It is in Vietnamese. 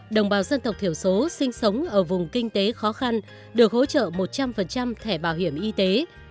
đồng bào dân tộc thiểu số sinh sống ở vùng kinh tế khó khăn được hỗ trợ một trăm linh thẻ bảo hiểm y tế